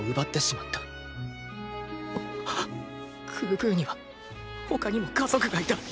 グーグーには他にも家族がいた。